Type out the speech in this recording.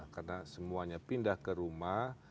karena semuanya pindah ke rumah